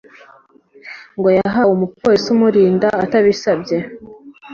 ngo yahawe umupolisi umurinda atabisabye